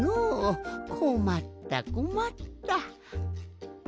こまったこまった。